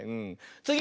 つぎ！